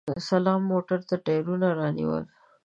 سلام موټر ته ټیرونه رانیول!